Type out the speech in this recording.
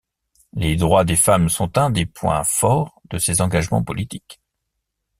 Le droits des femmes sont un des points forts de ses engagements politiques.